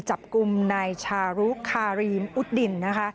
จับกลุ่มนายชารุคารีมอุดดินนะคะ